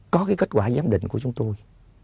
có cái kết quả giám định của chúng tôi